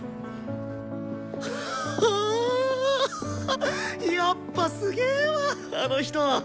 はぁやっぱすげわあの人。